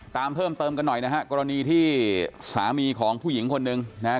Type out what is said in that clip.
ตามเพิ่มเติมกันหน่อยนะฮะกรณีที่สามีของผู้หญิงคนหนึ่งนะฮะ